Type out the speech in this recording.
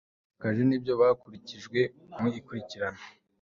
batakaje n ibyo bavukijwe mu ikurikirana